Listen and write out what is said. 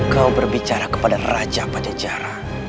kau berbicara kepada raja pajajaran